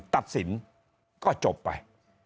ตัดสินก็จบไป